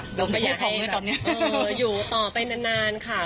เดี๋ยวมายังไม่พูดพร้อมนะอยู่ต่อไปนานค่ะ